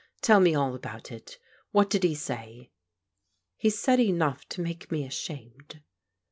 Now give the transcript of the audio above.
Tell me all about it. What did he say?'* " He said enough to make me ashamed."